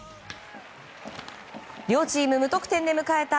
両チーム無得点で迎えた